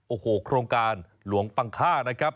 โอ้โหโครงการหลวงปังค่านะครับ